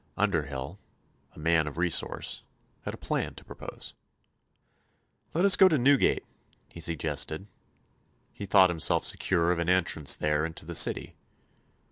Underhyll, a man of resource, had a plan to propose. "Let us go to Newgate," he suggested. He thought himself secure of an entrance there into the city.